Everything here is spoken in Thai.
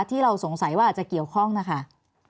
ที่เราสงสัยว่าอาจจะเกี่ยวข้องนะคะ